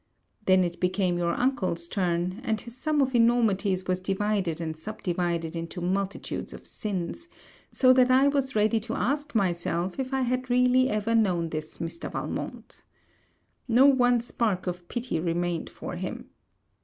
Then it became your uncle's turn; and his sum of enormities was divided and subdivided into multitudes of sins, so that I was ready to ask myself if I had really ever known this Mr. Valmont. No one spark of pity remained for him.